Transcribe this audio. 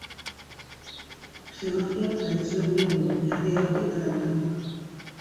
Georgian tradizio handia du, Erdi Arotik garatutakoa.